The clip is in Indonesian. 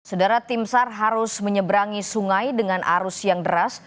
sedera tim sar harus menyeberangi sungai dengan arus yang deras